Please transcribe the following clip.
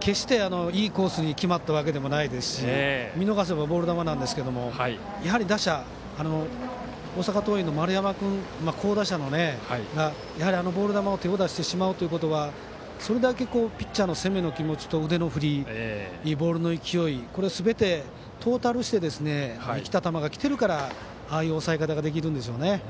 決して、いいコースに決まったわけでもないですし見逃せばボール球なんですがやはり打者大阪桐蔭の丸山君、好打者がやはり、あのボール球に手を出してしまうっていうことはそれだけ、ピッチャーの攻めの気持ちと腕の振りボールの勢いすべてトータルして生きた球がきてるからああいう抑え方ができるんでしょうね。